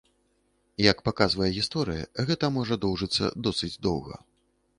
Як паказвае гісторыя, гэта можа доўжыцца досыць доўга.